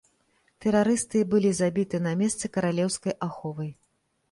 Тэрарысты і былі забіты на месцы каралеўскай аховай.